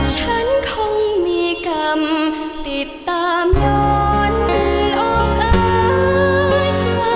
โปรดติดตามต่อไป